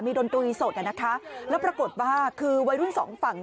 ดนตรีสดอ่ะนะคะแล้วปรากฏว่าคือวัยรุ่นสองฝั่ง